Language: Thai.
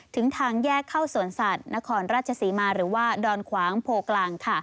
ถึงทางแยกเข้าสวนสัตว์นครราชศรีมาหรือว่าดอนขวางโพกลาง